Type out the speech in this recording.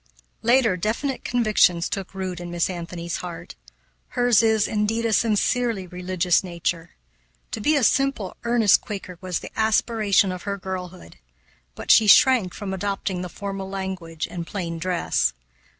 Later, definite convictions took root in Miss Anthony's heart. Hers is, indeed, a sincerely religious nature. To be a simple, earnest Quaker was the aspiration of her girlhood; but she shrank from adopting the formal language and plain dress.